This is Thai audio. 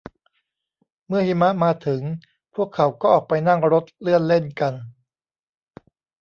เมื่อหิมะมาถึงพวกเขาก็ออกไปนั่งรถเลื่อนเล่นกัน